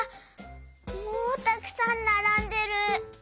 もうたくさんならんでる。